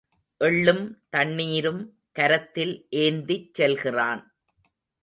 எள்ளும் தண்ணீரும் கரத்தில் ஏந்திச் செல்கிறான்.